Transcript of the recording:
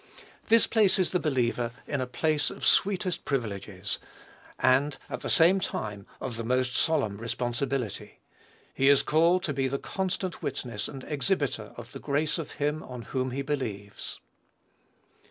This places the believer in a place of sweetest privileges, and, at the same time, of the most solemn responsibility. He is called to be the constant witness and exhibiter of the grace of him on whom he believes.